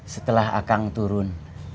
setelah akang turun